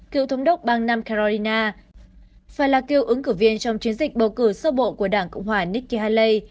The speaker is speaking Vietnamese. cựu thống đốc bang nam carolina phải là kêu ứng cử viên trong chiến dịch bầu cử sơ bộ của đảng cộng hòa nikki haley